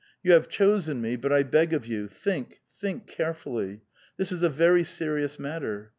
You have chosen me, but I beg of you, think, think carefully. This is a very serious matter.